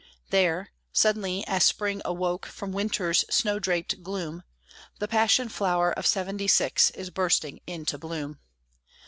There, suddenly as spring awoke from winter's snow draped gloom, The Passion Flower of Seventy Six is bursting into bloom.